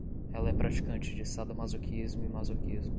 Ela é praticante de sadomasoquismo e masoquismo